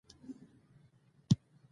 له کور نه یمه وتلې